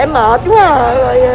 mệt quá à